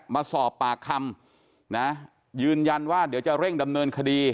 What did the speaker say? มาสอบปากคำนะยืนยันว่าเดี๋ยวจะเร่งดำเนินคดี